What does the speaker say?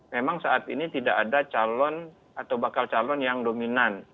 memang saat ini tidak ada calon atau bakal calon yang dominan